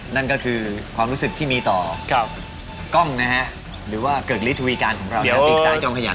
นั่นก็คือความรู้สึกที่มีต่อกล้องนะฮะหรือว่าเกิกฤทธวีการของเราเกรกสายจอมขยัน